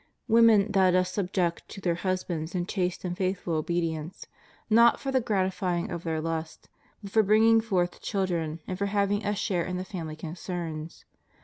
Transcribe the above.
Women thou dost subject to their husbands in chaste and faithful obedience, not for the gratifying of their lust, but for bringing forth children, and for having a share in the family concerns.